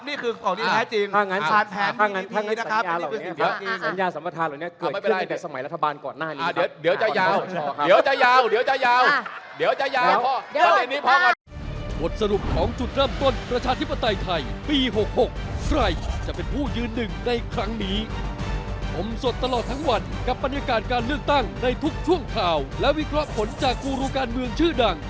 นี่คืออ๋านแพงนี้ถ้าว่านั้นสัญญาเหล่านี้มี